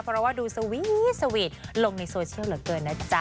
เพราะว่าดูสวีทสวีทลงในโซเชียลเหลือเกินนะจ๊ะ